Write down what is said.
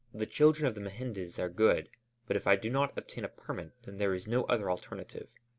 The children of the mehendes are good, but if I do not obtain a permit, then there is no other alternative.